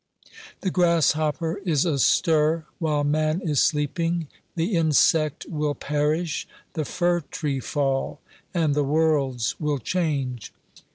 The grasshopper is astir while man is sleeping ; the insect will perish, the fir tree fall, and the worlds will change.